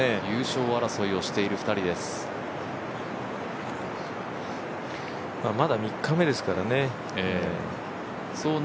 優勝争いをしている２人ですまだ３日目ですからね。